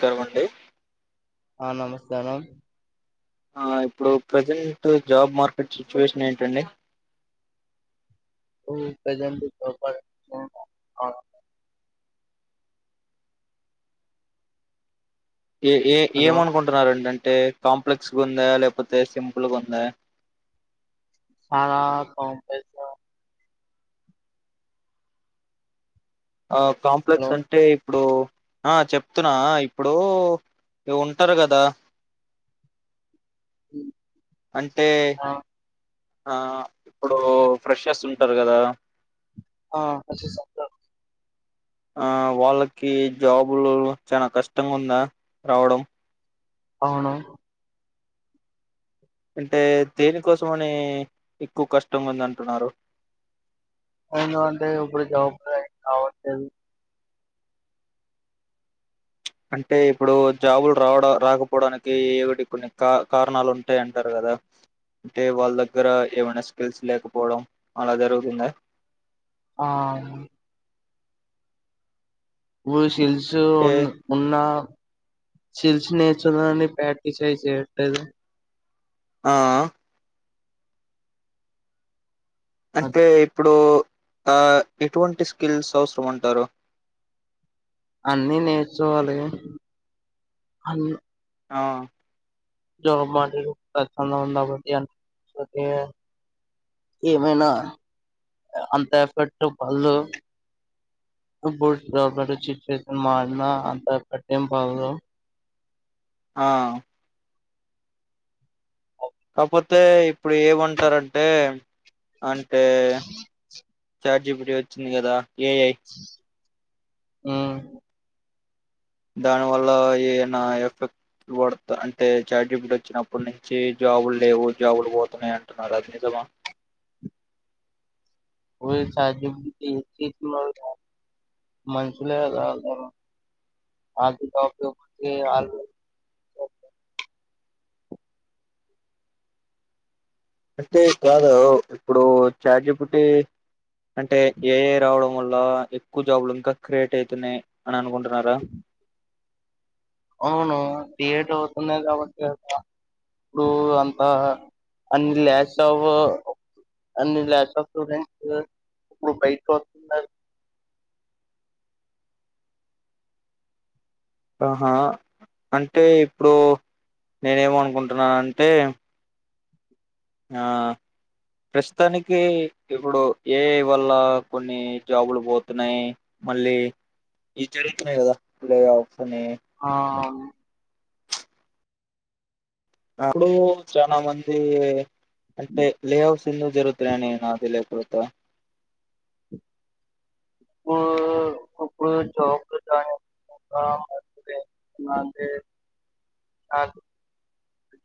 కరవండి ఆ నమస్కారం ఇప్పుడు ప్రజెంట్ జాబ్ మార్కెట్ సిచ్యువేషన్ ఏంటండి ప్రజ ఏ ఏ హలో ఏమనుకుంటున్నారంటే అంటే కాంప్లెక్స్ గా ఉందాయా లేకపోతే సింపుల్గా ఉందా సారా క పైస ఆ హలో కాంప్లెక్స్ అంటే ఇప్పుడు ఆ చెప్తున్నా ఇప్పుడు ఉంటారు కదా అంటే ఆ ఆ ఇప్పుడు ఫ్రెష్ వస్తుంటారు కదా ఆ స ఆ వాళ్ళకి జాబులు చాలా కష్టంగా ఉందా రావడం అవును అంటే దేనికోసమ అని ఎక్కువ కష్టం ఉంది అంటున్నారు ఎందు అంటే ఇప్పుడు జాబులుం కావట్లేదు అంటే ఇప్పుడు జాబులు రావడం రాకపోవడానికి ఏమిటి కొన్ని కా కారణాలు ఉంటాయ అంటారు కదా అంటే వాళ్ళ దగ్గర ఏమైనా స్కిల్స్ లేకపోవడం అలా జరుగుతుందా ఆ ఉ షల్ ఉ అంటే ఉన్న చిల్స్ నేర్చునని ప్యాటిస్యి చేయట్టలేదు ఆ అ- అంటే ఇప్పుడు ఆ ఎటువంటి స్కిల్స్ అవసరం అంటారు అన్నీ నేర్చుకొవాలి అన్ని ఆ జాబ్ మందిబట్టి అ ఏమైనా అంత పెట్టు పళ జట్ మారిన అంతా పెట్టటి పళ్లు ఆ కాకపోతే ఇప్పుడు ఏమంటరంటే అంటే చాట్ జీపీటీ వచ్చింది కదా ఎ ఐ ఆ దాని వల్ల ఏదనా ఎఫెక్ట్ పడుత అంటే చాజబట్ వచ్చినప్పటి నుంచి జాబులు లేవు జాబులు పోతున్నాయి అంటున్నారు అది నిజమా జ మసుల అదిక అంటే కాదు ఇప్పుడు చాట్ జీపీటీ అంటే ఏ ఐ రావడం వల్ల ఎక్కువ జాబ్లలు ఇంకా క్రియేట్ అవుతున్నాయి అని అనుకుంటు రా రా అవును యడ్ అవుతున్నాది కాబట్టి ఇప్పుడు అంత అన్ని ల్యా ఆఫ్ అన్ని ల్యాస్ ఆఫ్ స్టూడెంట్స్ ఇప్పుడు బయట వస్తున్నారు ఆహా అంటే ఇప్పుడు నేనేమనుకుంటున్నాను అంటే ఆ ప్రస్తుతానికి ఇప్పుడు ఏ ఐ వల్ల కొన్ని జాబులు పోతున్నాయి మళ్ళీ ఇవి జరుగుతున్నాయి కదా ప్లే ఆఫ్స్ అని ఆ అప్పుడు చానా మంది అంటే లేఅట్స్ ఎందు జరుగుతున్నాయని అది లే పోత ఇప్పుడు ఇప్పుడు జాబ్ జాయిన్ అ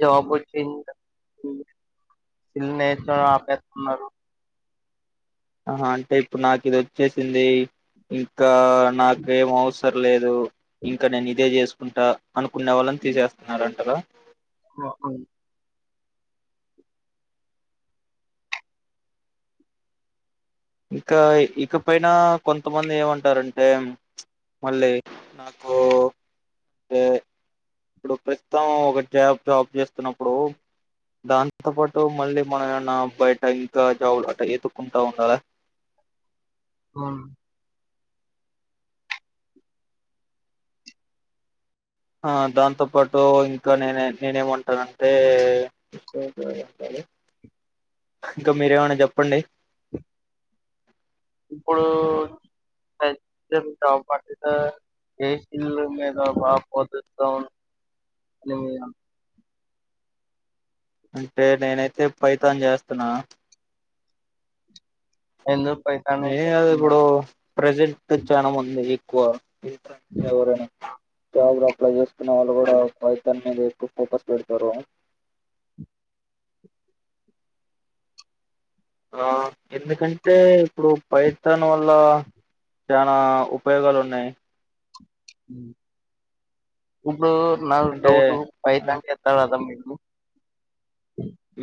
జాబ్ వచ్చి నేర్చ ఆపేస్తున్నారు ఆ అంటే ఇప్పుడు నాకు ఇది వచ్చేసింది ఇంకా ఆ నాకమో పర్లేదు ఇంకనే ను ఇదే కుంటా అనుకునే వాళ్ళని తీసేస్తున్నారంటారా ఆ అవును ఇంకా ఇక పైనా కొంతమంది ఏమంటారంటే మళ్ళీ నాకు అంటే ఇప్పుడు ప్రస్తుతం ఒక జాబ్ జాబ్ చేస్తున్నప్పుడు దాంతో పాటు మళ్ళీ మనం ఏమన్నా బయట ఇంకా జాబ్ ఎతుకుంటా ఉండాలా ఫను ఆ దాంతో పాటు ఇంకా నేనే నేనే ఏమంటానంటే ఇంకా మీరేమనా చెప్పండి ఇప్పుడు పాట్ ఏసిల్లు మీద బాగా పొదుస్తాం అని అంటే నేనైతే ఫైతాన్ చేస్తున్నా ఎందు ఏ అది ఇప్పుడు ప్రజెంట్ చాలా మంది కువ జోగ్రాఫ్ చేస్తున్న వాళ్ళు కూడా పైథాన్ మీద ఎక్కువ ఫోకస్ పెడతారు ఆ ఎందుకంటే ఇప్పుడు పైతన్ వల్ల చనా ఉపయోగాలు ఉన్నాయి ఇప్పుడు నా అంటే డౌట్ ఆ ఫైథాన్ చెప్తాడు అతనికి ఉ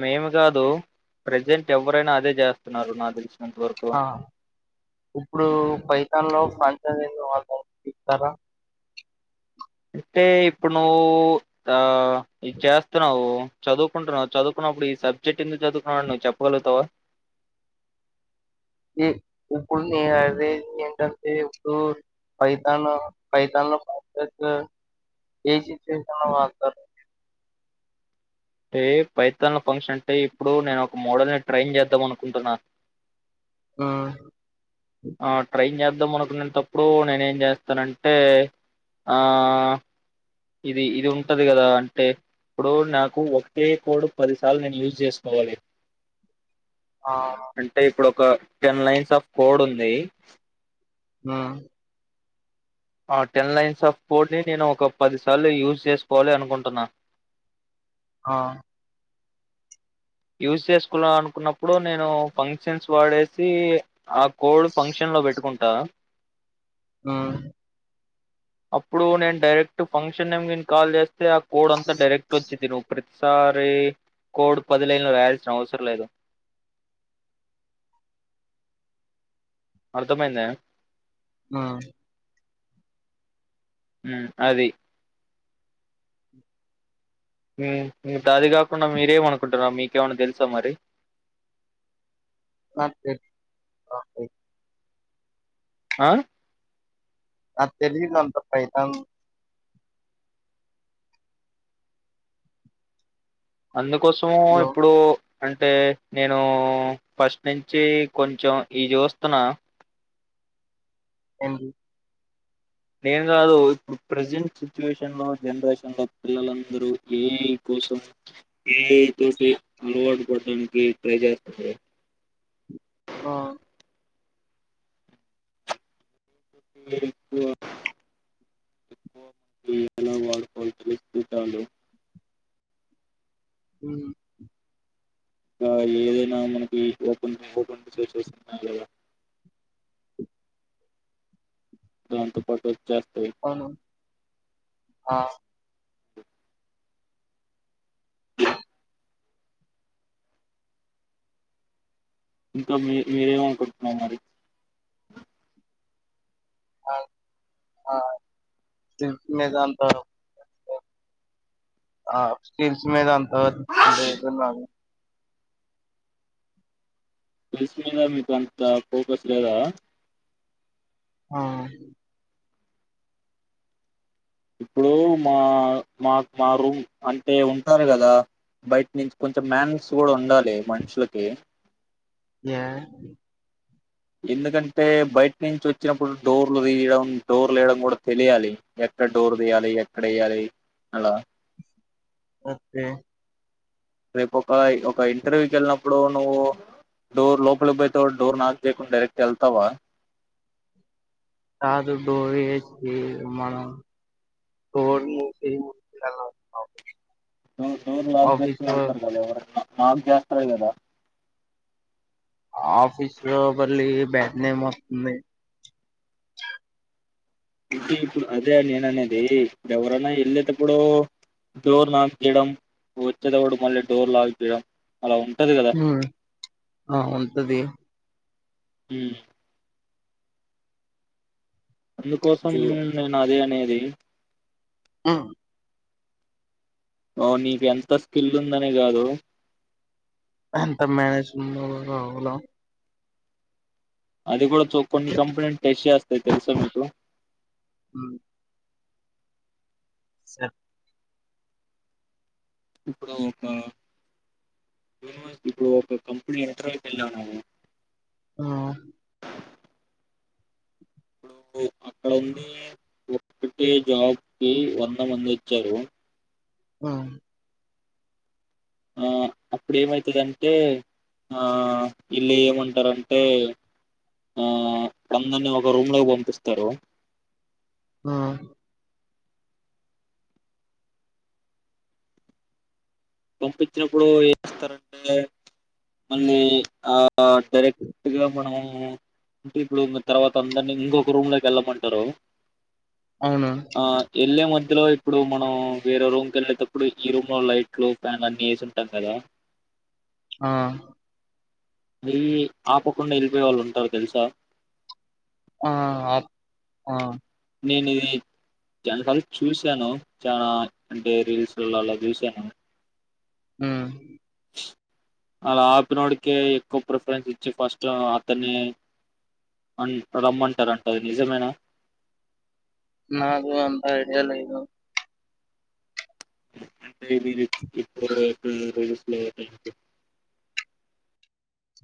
మేము కాదు ప్రజెంట్ ఎవరైనా అదే చేస్తున్నారు నా తెస్ ఆ ఇప్పుడు పైతాన్ లో ఫన్ అ ఇతారా అంటే ఇప్పుడు నువ్వు ఆ ఇది చేస్తున్నావు చదువుకుంటున్నావ్ చదువుకున్నప్పుడు ఈ సబ్జెక్ట్ ఎందుకు చదువుకున్నావు అని నువ్వు చెప్పగలుగుతావా ఇప్పుడు అదే ఏంటంటే ఇప్పుడు ఫైతాన్ ఫైతాన్ లో ఏ సిచ్యువేషన్ లో వాడరు అంటే పైతాన్ ల ఫంక్షన్ అంటే ఇప్పుడు నేను ఒక మోడల్ని ట్రైన్ చేద్దాం అనుకుంటున్నా హ్మ్. ఆ ట్రైన్ జెత్ ద్దాం మనుకునేటప్పుడు నేనే ఏం చేస్తనంటే ఆ ఇది ఇది ఉంటది కదా అంటే ఇప్పుడు నా కు ఒకే కోడు పదిసార్లు నేను యూజ్ చేసుకోవాలి ఆ! అంటే ఇప్పుడ ఒక టెన్ లైన్స్ ఆఫ్ కోడ్ ఉంది ఆ ఆ టెన్ లైన్స్ ఆఫ్ ఫోడ్ ని నేను ఒక పదిసార్లు యూజ్ చేసుకోవాలి అనుకుంటున్నా హ యూస్ చేసుకున్న అనుకున్నప్పుడు నేను ఫంక్షన్స్ వాడేసి ఆ కోడ్ ఫంక్షన్ లో పెట్టుకుం టా ఉహ్ అప్పుడు నేను డైరెక్ట్ ఫంక్షన్ నేమ్ ఇన్ కాల్ చేస్తే ఆ కోడ్ అంతా డైరెక్ట్ వచ్చిది నువ్వు ప్రతిసారి కోడ్ పదిలైన్ లో రాయాల్సిన అవసరం లేదు అర్థమైందా ఎం ఆ ఉ అది ఉ అది కాకుండా మీరేమనుకుంటారా మీకేమన్నా తెలుసా మరి ఆహ్ తే [unintelligible] ఆ ఆ తెలిందంత పైథాన్ అందు కోసం లో ఇప్పుడు అంటే నేను ఫస్ట్ నుంచి కొంచెం ఇయి చూస్తున్నా ఎన్ నేను కాదు ఇప్పుడు ప్రజెంట్ సిచ్యువేషన్ లో జనరేషన్ లో పిల్లలందరూ ఏఐ కోసం ఏఐ తోటి అలవాటు పడడానికి ట్రై చేస్తారు ఆ ఎక్కువ ఎ ఎలా వాడుకోవాలో తెలుసుకుంటాడు ఉమ్ ఆ ఏదైనా మనకి ఓపెన్ ఓపెంతో చేస్తున్నారు కదా దాంతో పాటు వచ్చేస్తాయి అవును ఆ ఇంకా మీ మీరేమనుకుంటున్నారు మరి ఆ ఆ స్టీల్స్ మీద అంత ఆ స్టీల్స్ మీద ఆ లేదు మా స్కిల్స్ మీద మీకు అంత ఫోకస్ లేదా ఆ ఇప్పుడు మా మాకు మా రూమ్ అంటే ఉంటారు కదా బయట నుంచి కొంచెం మ్యానర్స్ కూడా ఉండాలి మనుషులకే ఏ ఎందుకంటే బయట నుంచి వచ్చినప్పుడు డోర్లు తీయడం డోర్లు వేయడం కూడా తెలియాలి ఎక్కడ డోర్ తీయాలి ఎక్కడ వేయాలి అలా ఓకే రేపు ఒక ఒక ఇంటర్వ్యూకి వెళ్ళినప్పుడు నువ్వు డోర్ లోపలికి పోయితే డోర్ నాక్ చేయకుండా డైరెక్ట్ వెళ్తావా కాదు డోర్ వేసి మనం డోర్ నీ [unintelligible] డోర్ నాక్ చేసుకొని వెళ్తారు కదా ఎవరైనా నాక్ చేస్తాడు కదా ఆఫీస్ లో మళ్లి బ్యాడ్ నేమ్ వస్తుంది ఇది ఇప్పుడు అదే నేన అనేది ఎవరైనా వెళ్ళేటప్పుడు డోర్ లాక్ చేయడం వచ్చేటప్పుడు మళ్ళీ డోర్ లాక్ చేయడం అలా ఉంటది కదా ఉమ్ ఆ ఉంటది ఉమ్ అందుకోసం చూ- నేను అదే అని ఏ ఆ ఓ నీకి ఎంత స్కిల్ ఉందనే కాదు అంత మేనేజ్మె [inaudible] రావాల అది కూడా స్ కొన్ని కంపెనీలు టెస్ట్ చేస్తాయి తెలుసా మీకు స ఇప్పుడు ఒక యూనివర్సిటీ ఇప్పుడు ఒక కంపెనీ ఇంటర్వ్యూ కి వెళ్ళానావ్ నువ్వు ఆ ఇప్పుడు అక్కడ ఉంది ఒకటే జాబ్ కి వంద మంది వచ్చారు ఆ ఆ అప్పుడు ఏమైతదింటే ఆ ఈళ్ళు ఏమంటారంటే ఆ అందరినీ ఒక రూమ్ లోకి పంపిస్తారు ఆ పంపించినప్పుడు ఏమిస్తారంటే మళ్ళీ ఆ డైరెక్ట్గా మనము అంటే ఇప్పుడు తర్వాత అందరినీ ఇంకొక రూమ్ లోకి వెళ్ళమంటారు అవును ఆ ఎల్లే ఇందులో ఇప్పుడు మనం వేరే రూమ్ కి వెళ్ళేటప్పుడు ఈ రూమ్ లో లైట్ క పన్ని సట్టా కదా ఆ మరి ఆపకుండా వెళ్ళిపోయే వాళ్ళు ఉంటారు తెలుసా ఆ నేను ఇది చాలా సార్ చూశాను చాలా అంటే రీల్స్లో అలా చూసాను ఆ అలా ఆపినోడికే ఎక్కువ ప్రిఫరెన్స్ ఇచ్చి ఫస్ట్ అతన్ని అ రమ్మంటారుంటది నిజమేనా నాదు అంత ఐడియాల ఇదు ఇ ఎ స్లో